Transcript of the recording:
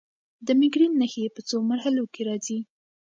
د مېګرین نښې په څو مرحلو کې راځي.